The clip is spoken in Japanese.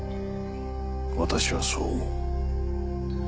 私はそう思う。